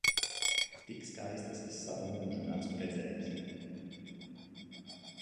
Tik skaistas es savu mūžu neesmu redzējis!